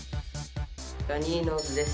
ラニーノーズです。